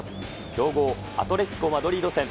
強豪アトレティコ・マドリード戦。